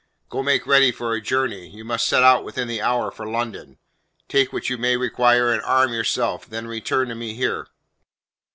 "Go make ready for a journey. You must set out within the hour for London. Take what you may require and arm yourself; then return to me here."